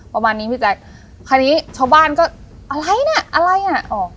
ประมาณนี้พี่แจ๊คคราวนี้ชาวบ้านก็อะไรน่ะอะไรอ่ะออก